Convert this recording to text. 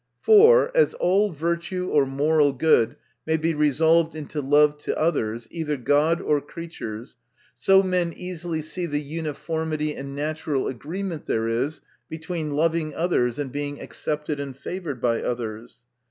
For, as all virtue or moral good may be resolved into love to others, either God or creatures, so men easily see the uniformity and natural agreement there is between loving others, and being accepted and favored by others.